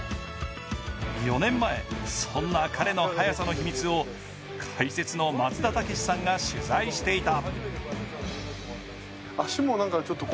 ４年前、そんな彼の速さの秘密を解説の松田丈志さんが取材していた。